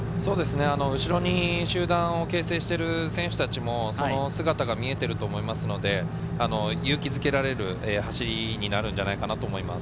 後ろに集団を形成している選手たちもその姿が見えていると思いますので、勇気付けられる走りになるのではないかと思います。